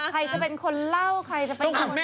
ใครจะเป็นคนเล่าใครจะเป็นคน